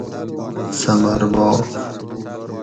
سمر باغ